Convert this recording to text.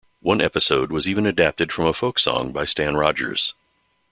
One episode was even adapted from a folk song by Stan Rogers.